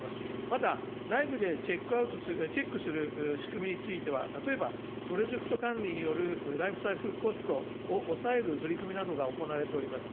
また、内部でチェックする仕組みについては、例えば、プロジェクト管理によるライフサイクルコストを抑える取り組みなどが行われております。